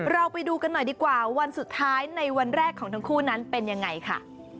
ไปดูกันหน่อยดีกว่าวันสุดท้ายในวันแรกของทั้งคู่นั้นเป็นยังไงค่ะ